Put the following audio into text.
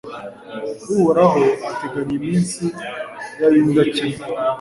uhoraho ateganya iminsi y'ab'indakemwa